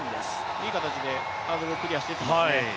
いい形でハードルをクリアしていきます。